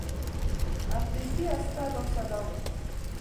افریدي عسکر راسره ول.